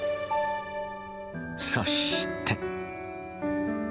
そして。